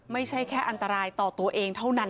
ไม่ใช่แค่อันตรายต่อตัวเองเท่านั้น